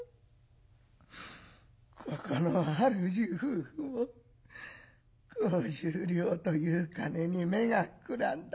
ここの主夫婦は５０両という金に目がくらんだか。